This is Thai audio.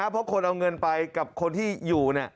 เพราะคนเอาเงินไปกับคนที่อยู่